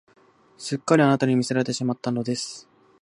すっかりあなたに魅せられてしまったのです